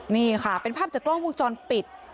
นี่ค่ะเป็นภาพจากกล้องวงจรปิด